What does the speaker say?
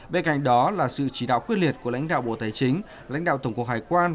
bên cạnh đó là sự chỉ đạo quyết liệt của lãnh đạo bộ tài chính lãnh đạo tổng cục hải quan